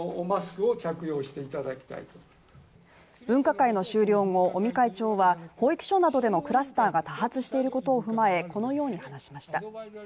分科会の終了後、尾身会長は保育所などでのクラスターが多発していることを踏まえ、このように話しました。